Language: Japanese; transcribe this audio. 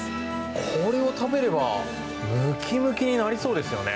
これを食べればムキムキになりそうですよね。